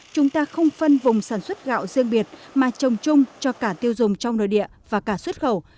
chúng ta không phân vùng sản xuất gạo riêng biệt mà trồng chung cho cả tiêu dùng trong nội địa và cả xuất khẩu